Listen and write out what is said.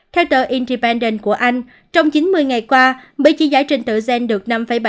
theo tờ independent của anh trong chín mươi ngày qua mỹ chỉ giải trình tựa gen được năm bảy